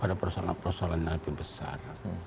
ada persoalan persoalan yang lebih besar